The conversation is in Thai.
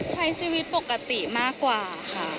ใช้ชีวิตปกติมากกว่าค่ะ